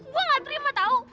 gue gak terima tau